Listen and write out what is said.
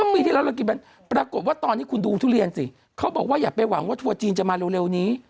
ปีที่แล้วเรากินไปปรากฏว่าตอนนี้คุณดูทุเรียนสิเขาบอกว่าอย่าไปหวังว่าทัวร์จีนจะมาเร็วนี้